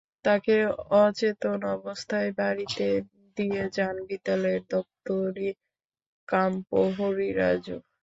তাকে অচেতন অবস্থায় বাড়িতে দিয়ে যান বিদ্যালয়ের দপ্তরি কাম প্রহরী রাজু।